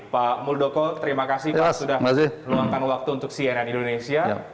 pak muldoko terima kasih pak sudah meluangkan waktu untuk cnn indonesia